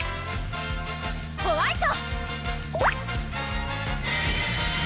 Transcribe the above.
ホワイト！